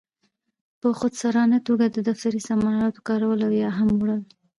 په خودسرانه توګه د دفتري سامان آلاتو کارول او یا هم وړل.